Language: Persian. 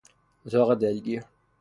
اتاق دلگیر